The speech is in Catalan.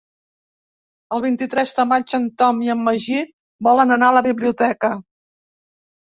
El vint-i-tres de maig en Tom i en Magí volen anar a la biblioteca.